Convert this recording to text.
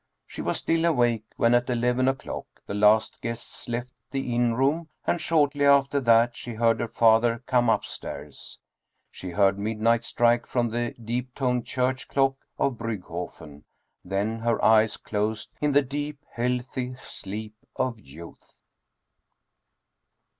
She was still awake when, at eleven o'clock, the last guests left the inn room, and shortly after that she heard her father 24 Dietrich Theden come upstairs. She heard midnight strike from the deep toned church clock of Briigghofen, then her eyes closed in the deep healthy sleep of youth.